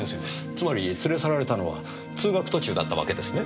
つまり連れ去られたのは通学途中だったわけですね？